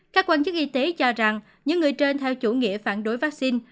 các quan chức y tế cho rằng những người trên theo chủ nghĩa phản đối vaccine